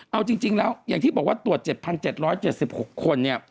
เอาจริงแล้วอย่างที่บอกว่าตรวจ๗๗๖คนเนี่ย